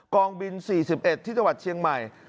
องบิน๔๑ที่จังหวัดเชียงใหม่